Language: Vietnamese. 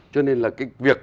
cho nên là cái việc